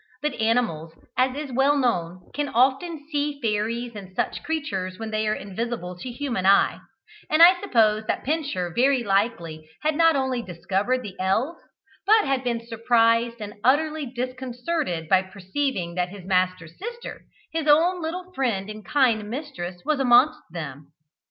But animals, as is well known, can often see fairies and such creatures when they are invisible to human eye; and I suppose that Pincher very likely had not only discovered the elves, but had been surprised and utterly disconcerted by perceiving that his master's sister, his own little friend and kind mistress, was amongst them.